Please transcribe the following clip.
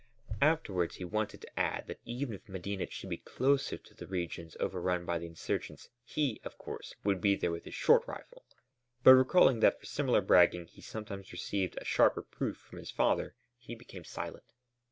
Afterwards he wanted to add that even if Medinet should be closer to the regions overrun by the insurgents, he, of course, would be there with his short rifle; but recalling that for similar bragging he sometimes received a sharp reproof from his father, he became silent.